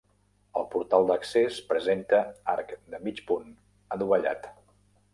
El portal d'accés presenta arc de mig punt adovellat.